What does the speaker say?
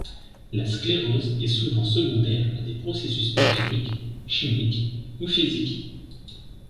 La sclérose est souvent secondaire à des processus mécaniques, chimiques, ou physiques.